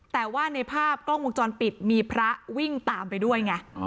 แต่ว่าในภาพกล้องวงจรปิดมีพระวิ่งตามไปด้วยไง